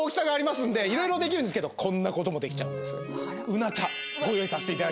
うな茶ご用意させていただきました。